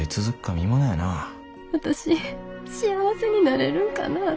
私幸せになれるんかなぁ。